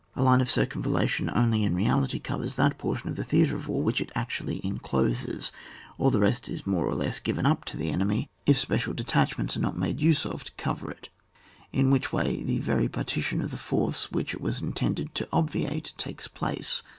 A line of circumvallation only in refdity covers that portion of the theatre of war which it actually encloses ; pH the rest is paore or less given up to the enemy if special detachments are not made use of to cover it, in which way the very parti tion of force which it was intended to obviate takes place.